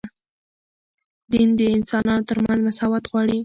دین د انسانانو ترمنځ مساوات غواړي